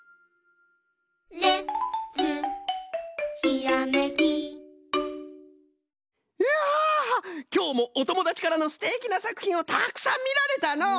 いやきょうもおともだちからのすてきなさくひんをたくさんみられたのう。